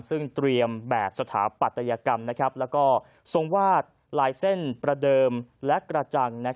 ซึ่งเตรียมแบบสถาปัตยกรรมและทรงวาดลายเส้นประเดิมและกระจัง